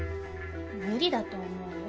無理だと思うよ